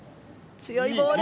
強いボール！